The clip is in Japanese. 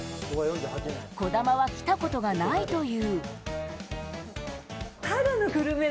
児玉は来たことがないという。